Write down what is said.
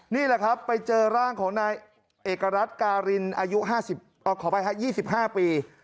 นี่แหละครับไปเจอร่างของนายเอกรัฐการินอายุห้าสิบเอ่อขอไปฮะยี่สิบห้าปี